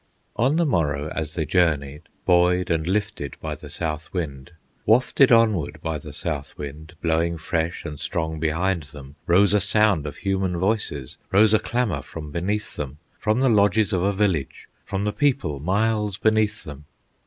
On the morrow as they journeyed, Buoyed and lifted by the South wind, Wafted onward by the South wind, Blowing fresh and strong behind them, Rose a sound of human voices, Rose a clamor from beneath them, From the lodges of a village, From the people miles beneath them.